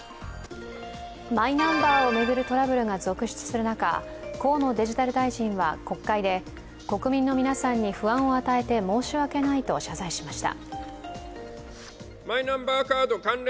マイナンバーを巡るトラブルが続出する中、河野デジタル大臣は国会で国民の皆さんに不安を与えて申し訳ないと謝罪しました。